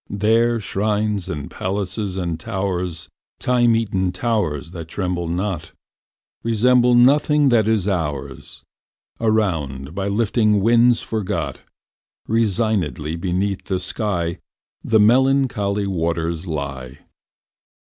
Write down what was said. There shrines and palaces and towers (Time eaten towers that tremble not!) Resemble nothing that is ours. Around, by lifting winds forgot, Resignedly beneath the sky The melancholy waters lie.